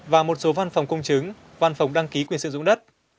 và một số văn phòng công chứng văn phòng đăng ký quyền sử dụng đất